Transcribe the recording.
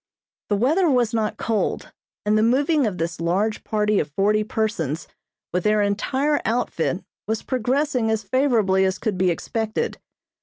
The weather was not cold, and the moving of this large party of forty persons with their entire outfit was progressing as favorably as could be expected.